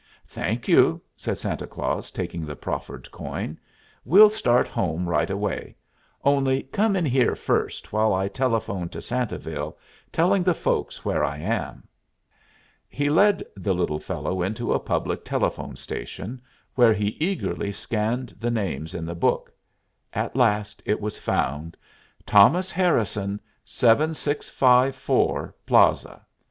"Thank you," said Santa Claus, taking the proffered coin. "We'll start home right away; only come in here first, while I telephone to Santaville, telling the folks where I am." He led the little fellow into a public telephone station, where he eagerly scanned the names in the book. At last it was found "Thomas Harrison, seven six five four Plaza."